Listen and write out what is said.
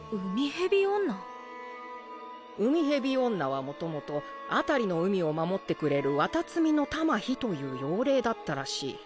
海蛇女は元々あたりの海を守ってくれる「わたつみのたまひ」という妖霊だったらしい。